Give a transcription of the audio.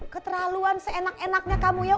keterlaluan seenak enaknya kamu ya